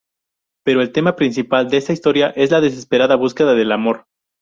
Pero el tema principal de esta historia es la desesperada búsqueda del amor.